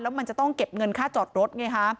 มันจะต้องเก็บเงินค่าจอดรถไงฮะ